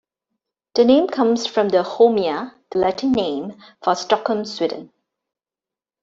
The name comes from the "Holmia", the Latin name for Stockholm, Sweden.